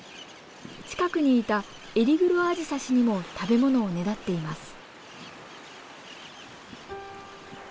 近くにいたエリグロアジサシにも食べ物をねだっています。